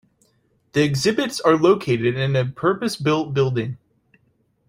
The exhibits are located in a purpose-built building.